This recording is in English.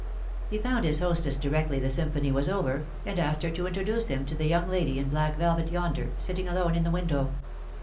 He found his hostess directly the symphony was over, and asked her to introduce him to the young lady in black velvet yonder, sitting alone in the window.